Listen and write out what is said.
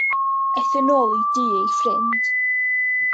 Aeth yn ôl i dŷ ei ffrind.